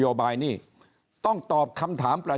ก็มาเมืองไทยไปประเทศเพื่อนบ้านใกล้เรา